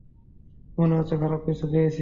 মনে হচ্ছে খারাপ কিছু খেয়েছি।